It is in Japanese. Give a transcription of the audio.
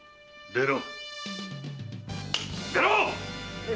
出ろ！